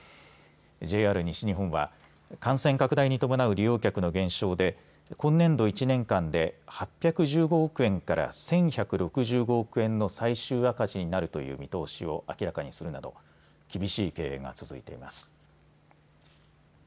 ＪＲ西日本は感染拡大に伴う利用客の減少で今年度１年間で８１５億円から１１６５億円の最終赤字になるという見通しを明らかにするなど厳しい経営が続いています。